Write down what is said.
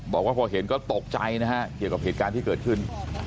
บอกว่าพอเห็นก็ตกใจนะฮะเกี่ยวกับเหตุการณ์ที่เกิดขึ้น